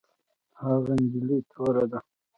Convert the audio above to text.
هغه نجلۍ توره ده